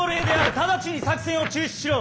直ちに作戦を中止しろ。